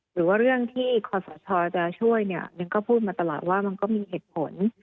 หรือว่าเรื่องที่คอสชจะช่วยเนี่ยมินก็พูดมาตลอดว่ามันก็มีเหตุผล